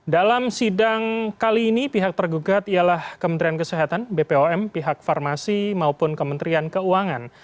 dalam sidang kali ini pihak tergugat ialah kementerian kesehatan bpom pihak farmasi maupun kementerian keuangan